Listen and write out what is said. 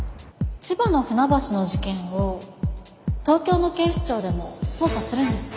千葉の船橋の事件を東京の警視庁でも捜査するんですか？